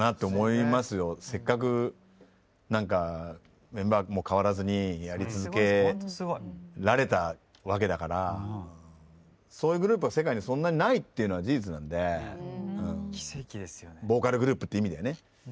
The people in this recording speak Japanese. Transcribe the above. せっかく何かメンバーも変わらずにやり続けられたわけだからそういうグループは世界にそんなにないっていうのは事実なんでボーカルグループって意味でね。